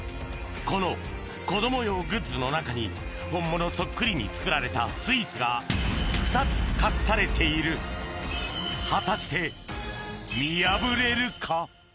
この子供用グッズの中に本物そっくりに作られたスイーツが２つ隠されている果たして見破れるか？